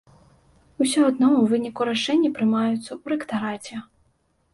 Усё адно ў выніку рашэнні прымаюцца ў рэктараце.